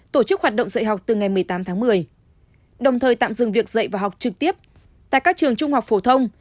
tổ chức hoạt động dạy học từ ngày một mươi tám tháng một mươi đồng thời tạm dừng việc dạy và học trực tiếp tại các trường trung học phổ thông